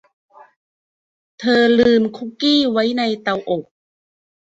เธอลืมคุกกี้ไว้ในเตาอบ